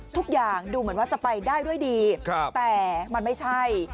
ทุกอย่างดูเหมือนว่าจะไปได้ด้วยดีแต่มันไม่ใช่